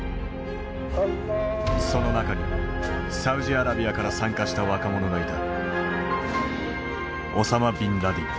その中にサウジアラビアから参加した若者がいた。